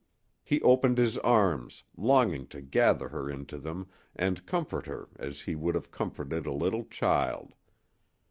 He opened his arms, longing to gather her into them and comfort her as he would have comforted a little child.